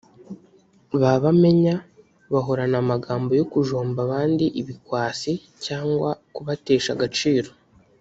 ba bamenya bahorana amagambo yo kujomba abandi ibikwasi cyangwa kubatesha agaciro